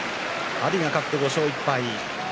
阿炎が勝って５勝１敗。